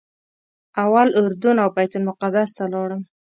اول اردن او بیت المقدس ته لاړم.